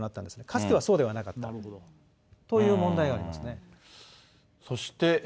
かつてはそうではなかったという問題がありますね。